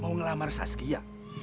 mau melamar saskia